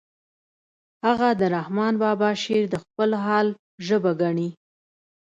هغه د رحمن بابا شعر د خپل حال ژبه ګڼي